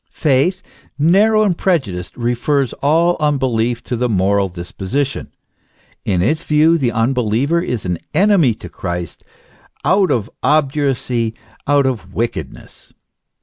Faith, narrow and prejudiced, refers all unbelief to the moral disposi tion. In its view the unbeliever is an enemy to Christ out of obduracy, out of wickedness.